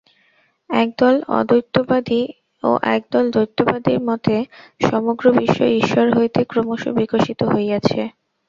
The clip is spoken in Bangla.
একদল অদ্বৈতবাদী ও একদল দ্বৈতবাদীর মতে সমগ্র বিশ্বই ঈশ্বর হইতে ক্রমশ বিকশিত হইয়াছে।